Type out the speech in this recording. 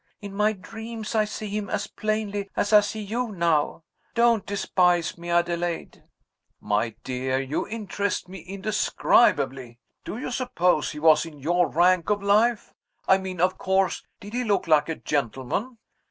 In my dreams I see him as plainly as I see you now. Don't despise me, Adelaide!" "My dear, you interest me indescribably. Do you suppose he was in our rank of life? I mean, of course, did he look like a gentleman?"